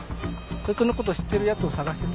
そいつの事を知ってる奴を捜してた。